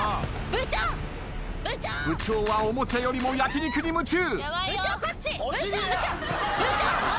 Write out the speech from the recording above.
部長はおもちゃよりも焼き肉に夢中。